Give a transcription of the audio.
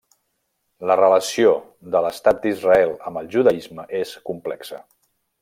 La relació de l'Estat d'Israel amb el judaisme és complexa.